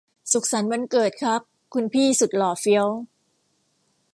สุขสันต์วันเกิดครับคุณพี่สุดหล่อเฟี้ยว